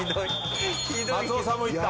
松尾さんも言った。